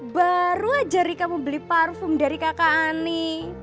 baru aja rika mau beli parfum dari kakak ani